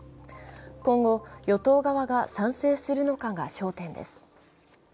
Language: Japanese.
今後、与党側が賛成するのかが焦点です。